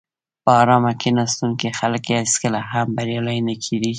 په آرامه کیناستونکي خلک هېڅکله هم بریالي نه کېږي.